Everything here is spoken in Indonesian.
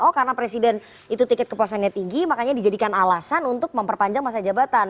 oh karena presiden itu tiket kepuasannya tinggi makanya dijadikan alasan untuk memperpanjang masa jabatan